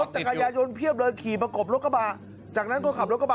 จักรยายนเพียบเลยขี่ประกบรถกระบะจากนั้นก็ขับรถกระบะ